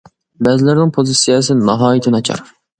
بەزىلەرنىڭ پوزىتسىيەسى ناھايىتى ناچار.